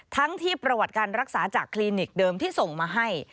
ทั้งที่ประวัติการรักษาจากคลินิกเดิมที่ส่งมาให้